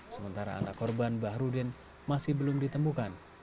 sementara anak korban bahrudin masih belum ditemukan